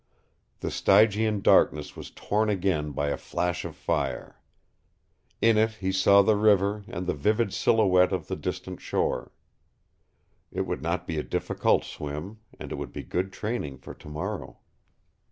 The stygian darkness was torn again by a flash of fire. In it he saw the river and the vivid silhouette of the distant shore. It would not be a difficult swim, and it would be good training for tomorrow.